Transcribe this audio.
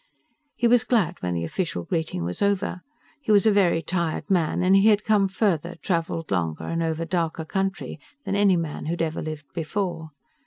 He was glad when the official greeting was over. He was a very tired man and he had come farther, traveled longer and over darker country, than any man who'd ever lived before.